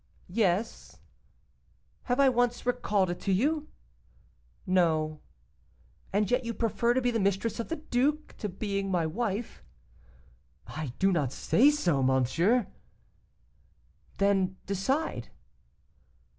'Yes.' 'Have I once recalled it to you?' 'No.' 'And yet you prefer to be the mistress of the duke, to being my wife?' 'I do not say so, monsieur.' 'Then decide.